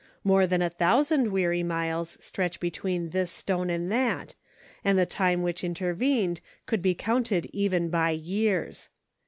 More than a thousand weary miles stretch between this stone and that, and the time which intervened could be counted even by years.